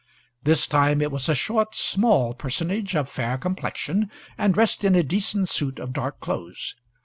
This time it was a short, small personage, of fair complexion, and dressed in a decent suit of dark clothes.